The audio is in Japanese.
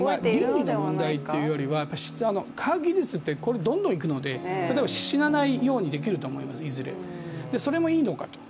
倫理の問題というよりは科学技術はどんどんいくので例えば死なないようにできると思いますいずれ、それもいいのかと。